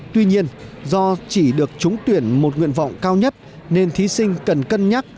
tuy nhiên do chỉ được trúng tuyển một nguyện vọng cao nhất nên thí sinh cần cân nhắc